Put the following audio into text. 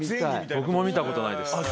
僕も見たことないです。